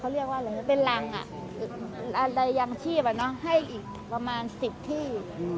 คล้ายกับถุงเป็นหลังมีรางทีพให้อีกประมาณ๑๐ที่